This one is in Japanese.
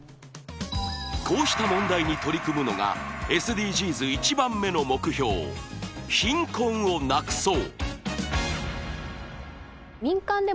こうした問題に取り組むのがＳＤＧｓ１番目の目標貧困をなくそう